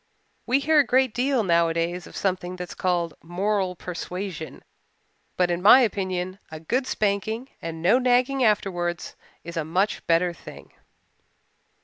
We hear a great deal nowadays of something that is called 'moral persuasion,' but in my opinion a good spanking and no nagging afterwards is a much better thing."